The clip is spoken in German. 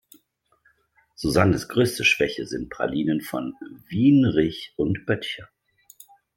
Susannes größte Schwäche sind Pralinen von Wienrich&Böttcher.